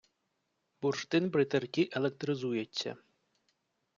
Бурштин при терті електризується